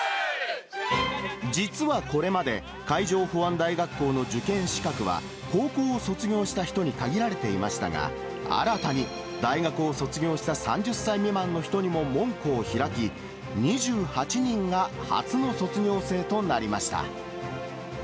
実はこれまで、海上保安大学校の受験資格は、高校を卒業した人に限られていましたが、新たに大学を卒業した３０歳未満の人にも門戸を開き、２８人が初の卒業生となりました。